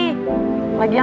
gak ada i ngomongnya geli